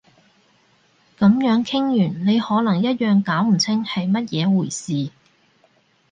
噉樣傾完你可能一樣搞唔清係乜嘢回事